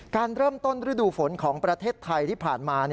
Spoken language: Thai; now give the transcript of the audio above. การเริ่มต้นฤดูฝนของประเทศไทยที่ผ่านมา